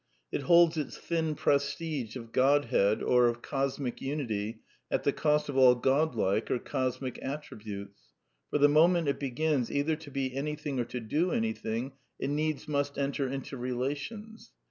It holds its thin prestige of Godhead or of cosmic unity at the cost of all god like or cosmic attributes ; for the moment it be ginSy either to be anything or to do anything, it needs must "enter into relations."